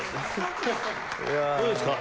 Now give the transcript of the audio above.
どうですか？